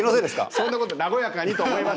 そんなこと和やかにと思いましてね。